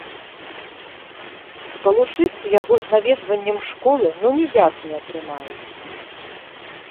Спалучыць яго з наведваннем школы ну ніяк не атрымаецца.